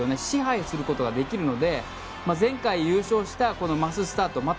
支配することができるので前回優勝したマススタート。